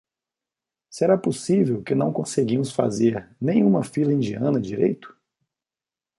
Será possível que não conseguimos fazer nem uma fila indiana direito?